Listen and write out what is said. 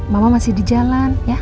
mama masih di jalan